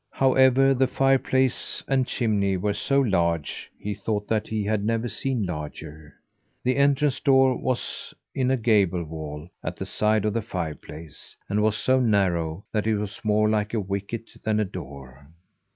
However, the fireplace and chimney were so large, he thought that he had never seen larger. The entrance door was in a gable wall at the side of the fireplace, and was so narrow that it was more like a wicket than a door.